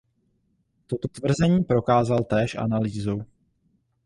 Toto tvrzení prokázal též analýzou.